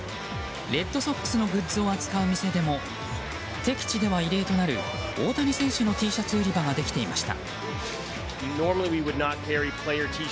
レッドソックスのグッズを扱う店でも敵地では異例となる大谷選手のＴシャツ売り場ができていました。